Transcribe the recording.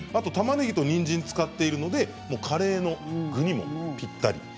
たまねぎとにんじんを使っているのでカレーの具にもぴったり。